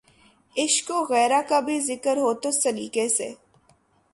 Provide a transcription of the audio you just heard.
عشق وغیرہ کا بھی ذکر ہو تو سلیقے سے۔